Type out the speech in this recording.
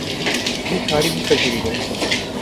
Vî karî bipejirîne.